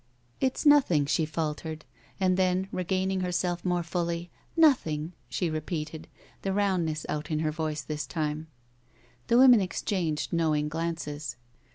"It's nothing," she faltered, and then, regaining herself more fully, nothing," she repeated, the rotmdness out in her voice this time. The women exchanged knowing glances.